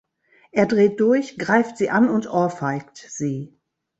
Er dreht durch, greift sie an und ohrfeigt sie.